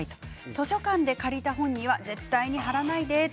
図書館で借りた本には絶対に貼らないで。